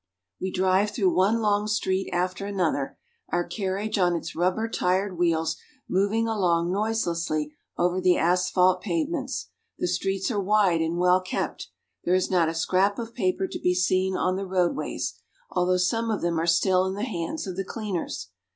We drive through one long street after another, our carriage on its rubber tired wheels moving along noise lessly over the asphalt pavements. The streets are wide and well kept. There is not a scrap of paper to be seen on the roadways, although some of them are still in the hands of the cleaners.